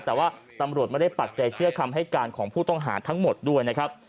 แต่ว่าตำรวจไม่ได้ปักใจเชื่อคำให้การของผู้ต้องหาทั้งหมดด้วยนะครับ